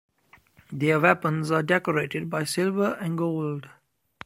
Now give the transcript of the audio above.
Their weapons are decorated by silver and gold.